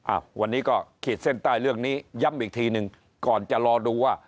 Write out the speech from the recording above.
อ่ะวันนี้ก็ขีดเส้นใต้เรื่องนี้ย้ำอีกทีหนึ่งก่อนจะรอดูว่า